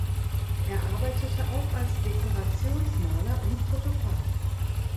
Er arbeitete auch als Dekorationsmaler und Fotograf.